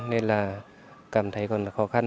nên là cảm thấy còn là khó khăn